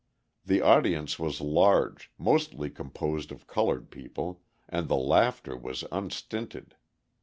The audience was large, mostly composed of coloured people, and the laughter was unstinted.